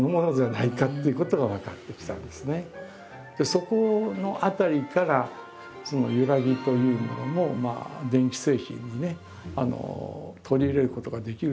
そこの辺りからその「ゆらぎ」というものも電気製品にね取り入れることができるだろうと。